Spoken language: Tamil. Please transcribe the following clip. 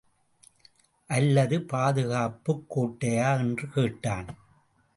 அல்லது பாதுகாப்புக் கோட்டையா என்று கேட்டான்.